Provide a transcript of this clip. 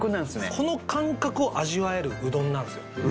この感覚を味わえるうどんなんですよ